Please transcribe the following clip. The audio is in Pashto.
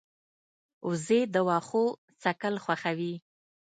وزې د واښو څکل خوښوي